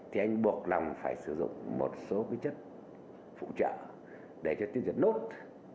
thì anh buộc lòng phải sử dụng một số chất phụ trợ để tiêu diệt nốt